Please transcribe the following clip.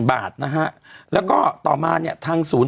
เป็นการกระตุ้นการไหลเวียนของเลือด